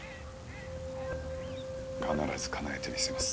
必ず叶えてみせます。